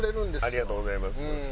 ありがとうございます。